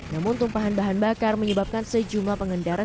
namun tumpahan bahan bakar menyebabkan sejumlah pengendara